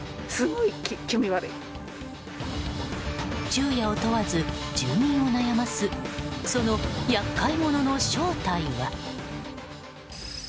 昼夜を問わず住民を悩ますその厄介者の正体は。